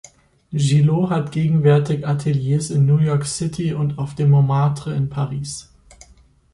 Gilot hat gegenwärtig Ateliers in New York City und auf dem Montmartre in Paris.